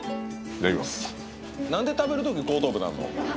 何で食べる時後頭部になんの？